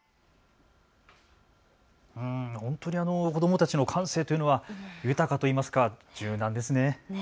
本当に子どもたちの感性というのは豊かといいますか柔軟ですね。